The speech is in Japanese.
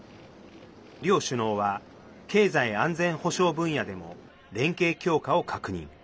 両首脳は経済安全保障分野でも連携強化を確認。